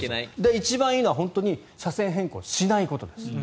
一番いいのは本当に車線変更しないことです。